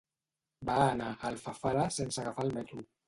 Va anar a Alfafara sense agafar el metro.